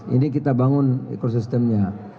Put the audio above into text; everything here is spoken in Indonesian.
ini kita bangun ekosistemnya